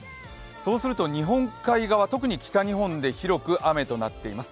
そうすると日本海側特に北日本で広く雨となっています。